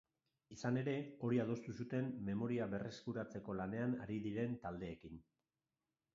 Izan ere, hori adostu zuten memoria berreskuratzeko lanean ari diren taldeekin.